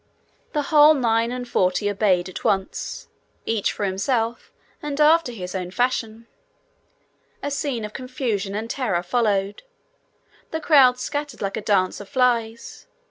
The whole nine and forty obeyed at once, each for himself, and after his own fashion. A scene of confusion and terror followed. The crowd scattered like a dance of flies.